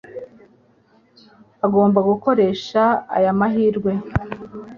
Ugomba gukoresha aya mahirwe.